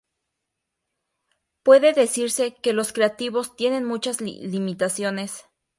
Puede decirse que los creativos tienen muchas limitaciones.